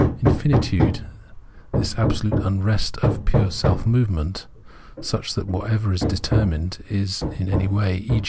Infinitude, this absolute unrest of pure self movement, such that whatever is determined in any way, e.